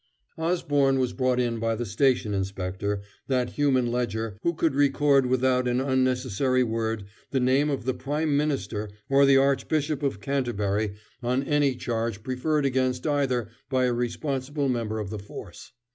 Osborne was brought in by the station inspector, that human ledger who would record without an unnecessary word the name of the Prime Minister or the Archbishop of Canterbury on any charge preferred against either by a responsible member of the force.